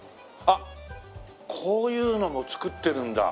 あっこういうのも作ってるんだ。